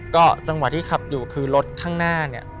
ก็จังหวะที่ขับอยู่คือรถข้างหน้าเนี่ย